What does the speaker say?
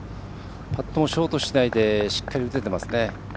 パットもショートしないでしっかり打てていますね。